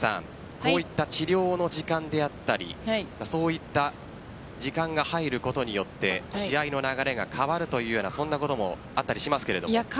こういった治療の時間であったりそういった時間が入ることによって試合の流れが変わるというそんなこともあったりしますか？